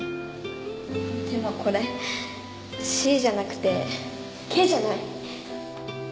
でもこれ「ｃ」じゃなくて「ｋ」じゃない？